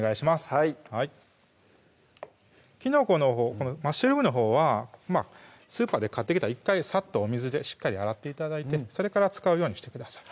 はいマッシュルームのほうはスーパーで買ってきたら１回さっとお水でしっかり洗って頂いてそれから使うようにしてください